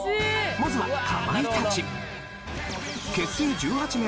まずはかまいたち。